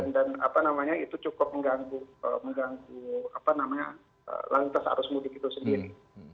dan itu cukup mengganggu langitasa arus mudik itu sendiri